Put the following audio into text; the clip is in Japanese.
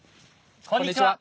こんにちは。